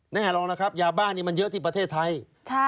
แน่นอนแล้วครับยาบ้านนี้มันเยอะที่ประเทศไทย